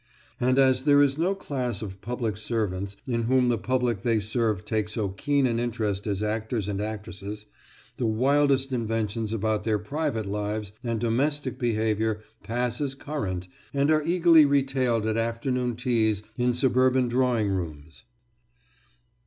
And as there is no class of public servants in whom the public they serve take so keen an interest as actors and actresses, the wildest inventions about their private lives and domestic behaviour pass as current, and are eagerly retailed at afternoon teas in suburban drawing rooms.